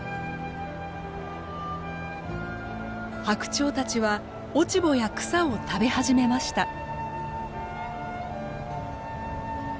ハクチョウたちは落ち穂や草を食べ始めました。